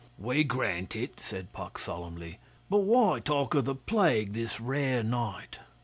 'We grant it,' said Puck solemnly. 'But why talk of the plague this rare night?